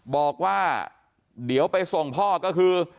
บอกว่าเดี๋ยวไปส่งพ่อก็คือ